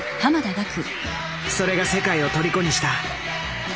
それが世界をとりこにした。